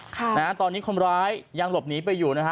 ค่ะนะฮะตอนนี้คนร้ายยังหลบหนีไปอยู่นะฮะ